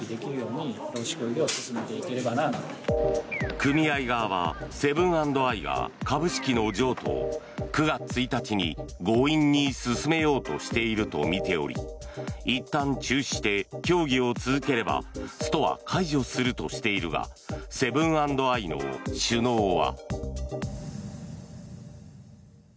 組合側はセブン＆アイが株式の譲渡を９月１日に強引に進めようとしているとみておりいったん中止して協議を続ければストは解除するとしているがセブン＆アイの首脳は。